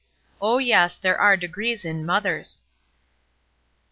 Oh, yes, there are degrees in mothers.